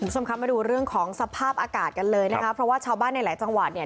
คุณผู้ชมครับมาดูเรื่องของสภาพอากาศกันเลยนะคะเพราะว่าชาวบ้านในหลายจังหวัดเนี่ย